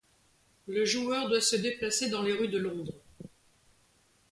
Le joueur doit se déplacer dans les rues de Londres.